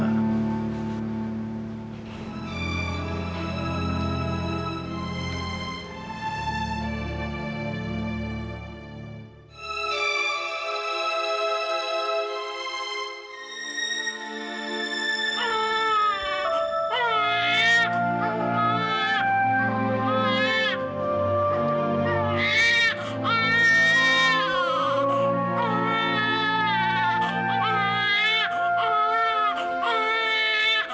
aku rindu memeluk dan menghibur kamu mil